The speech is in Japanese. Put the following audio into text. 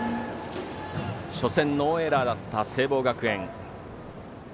初戦ノーエラーだった聖望学園。